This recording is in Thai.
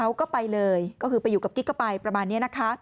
ถ้าอยากไปอยู่กับเขาก็ไปเลย